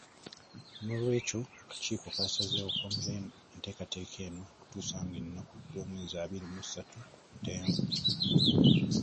N'olwekyo akakiiko kasazeewo okwongerayo enteekateeka eno okutuusa nga ennaku z'omwezi abiri mu satu Ntenvu